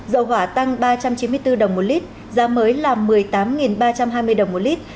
dầu hỏa tăng ba trăm chín mươi bốn đồng một lít giá mới là một mươi tám ba trăm hai mươi đồng một lít